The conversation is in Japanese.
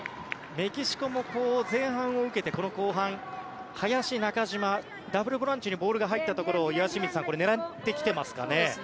メキシコも前半を受けてこの後半林、中島ダブルボランチにボールが入ったところを狙ってきてますかね。